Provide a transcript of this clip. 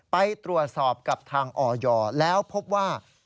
ไปตรวจสอบกับทางออยแล้วพบว่า